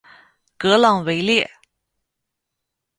格朗维列。